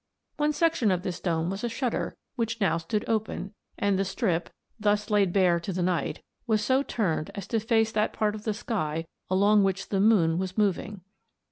One section of this dome was a shutter, which now stood open, and the strip, thus laid bare to the night, was so turned as to face that part of the sky along which the moon was moving.